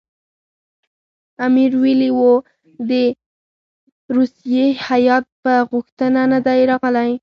امیر ویلي وو د روسیې هیات په غوښتنه نه دی راغلی.